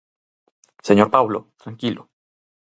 Señor Paulo, tranquilo.